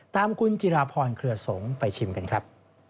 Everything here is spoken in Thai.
ตามคุณจิราพรเครือสงฆ์ไปชิมกันครับ